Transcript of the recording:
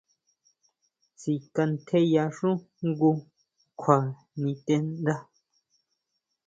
Síkʼantjeyaxú jngu kjua niteʼnda.